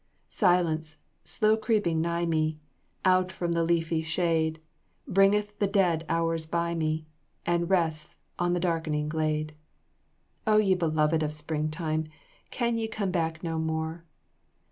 Silence, slow creeping nigh me, Out from the leafy shade, Bringeth the dead hours by me, And rests on the darkening glade. O ye beloved of spring time, Can ye come back no more?